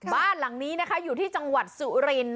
บ้านหลังนี้นะคะอยู่ที่จังหวัดสุริน